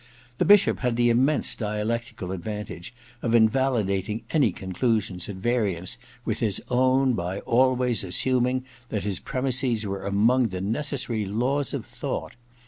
The Bishop had the immense dia lectical advantage of invalidating any conclusions at variance with his own by always assuming that his premises were among the necessary laws of thought.